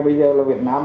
bây giờ là việt nam